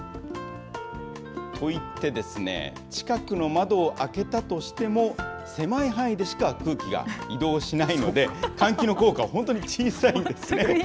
といって、近くの窓を開けたとしても、狭い範囲でしか空気が移動しないので、換気の効果は本当に小さいんですね。